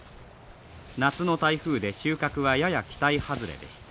夏の台風で収穫はやや期待外れでした。